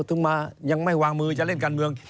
ตั้งไม่วางมือแกยังเล่นการเมือง